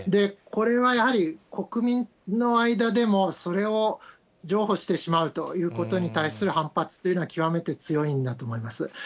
これはやはり国民の間でも、それを譲歩してしまうということに対する反発というのは、極めて強いんだと思います。